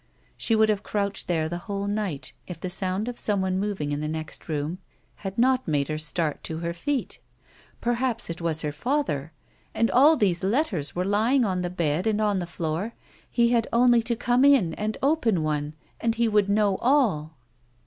She would have crouched there the whole night if the sound of someone moving in the next room had not made her start to her feet. Perhaps it was her father ! And all these letters were lying on the bed and on the floor ! He had only to come in and open one, and he would know all